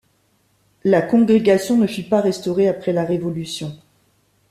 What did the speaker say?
La congrégation ne fut pas restaurée après la Révolution.